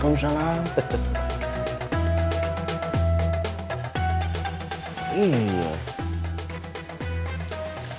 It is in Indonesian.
kalau tidak ada tidak punya apa apa